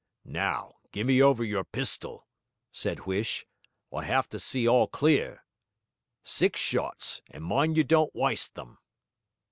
'Now, gimme over your pistol,' said Huish. 'I 'ave to see all clear. Six shots, and mind you don't wyste them.'